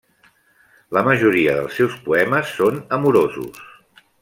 La majoria dels seus poemes són amorosos.